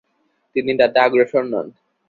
তিনি তাতে অগ্রসর হন।